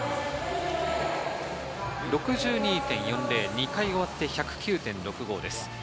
２回終わって１０９．６５です。